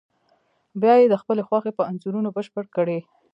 بیا یې د خپلې خوښې په انځورونو بشپړ کړئ.